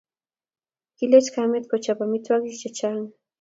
Kilech kamet ko chop amitwogik che chang